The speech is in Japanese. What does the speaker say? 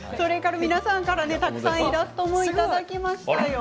皆さんからたくさんイラストもいただきましたよ。